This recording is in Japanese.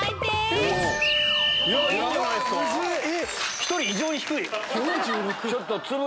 １人異常に低い！